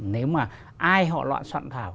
nếu mà ai họ loạn soạn thảo